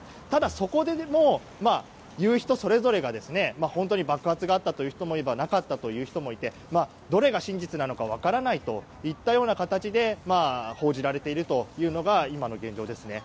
ただ、そこでも言う人それぞれが本当に爆発があったという人もいればなかったという人もいてどれが真実か分からないといったような形で報じられているのが今の現状です。